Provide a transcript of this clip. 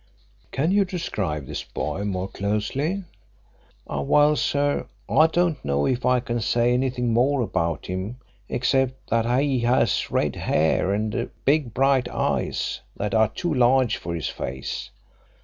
"Can you describe this boy more closely?" "Well, sir, I don't know if I can say anything more about him except that he has red hair and big bright eyes that are too large for his face."